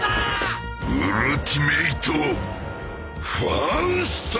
ウルティメイト・ファウスト！